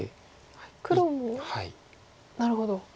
黒もなるほど。